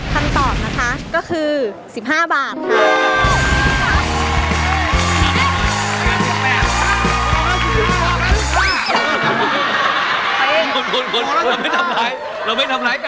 คำตอบนะคะก็คือ๑๕บาทค่ะ